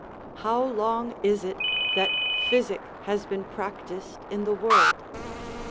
How long is it that physic has been practised in the world?